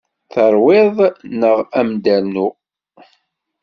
Teṛwiḍ neɣ ad m-d-rnuɣ?